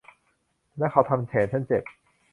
และเขาทำแขนฉันเจ็บ